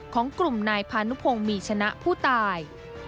ของกลุ่มนายพานุพงศ์มีชนะผู้ตาย